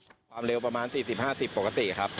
ขึ้นความเร็วประมาณสี่สิบห้าสิบปกติครับ